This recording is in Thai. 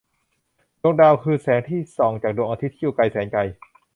ดวงดาวคือแสงที่ส่องจากดวงอาทิตย์ที่อยู่ไกลแสนไกล